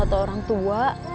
kata orang tua